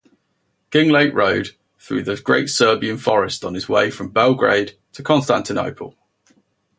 Kinglake rode through the great Serbian forest on his way from Belgrade to Constantinople.